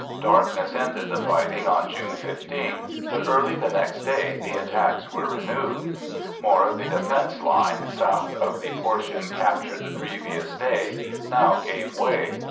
Darkness ended the fighting on June 15, but early the next day the attacks were renewed. More of the defense line, south of the portion captured the previous day, now gave way.